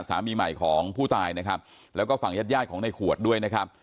สามีใหม่ของผู้ตายนะครับแล้วก็ฝั่งญาติญาติของในขวดด้วยนะครับ